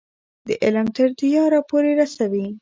د علم تر دیاره پورې رسوي.